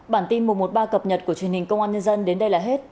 bản tin mùa một ba cập nhật của truyền hình công an nhân dân đến đây là hết